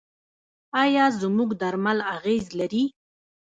آیا زموږ درمل اغیز لري؟